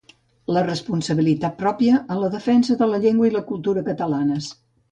La responsabilitat pròpia en la defensa de la llengua i la cultura catalanes.